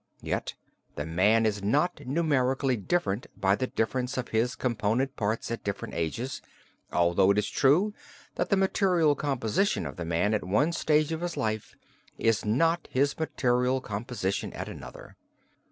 Yet the man is not numerically different by the difference of his component parts at different ages, although it is true that the material composition of the man at one stage of his life is not his material composition at another.